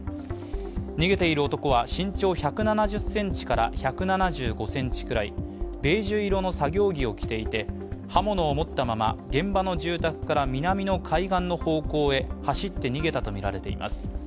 逃げている男は身長１７０ｃｍから１７５ｃｍくらい、ベージュ色の作業着を着ていて刃物を持ったまま現場の住宅から南の海岸の方向へ走って逃げたとみられています。